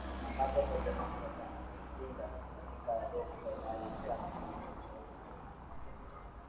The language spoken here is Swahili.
ambapo totternam sasa anaitinga katika robo fainali shak zero nne